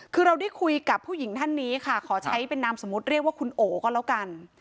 คือเราได้คุยกับผู้หญิงท่านนี้ค่ะขอใช้เป็นนามสมมุติเรียกว่าคุณโอก็แล้วกัน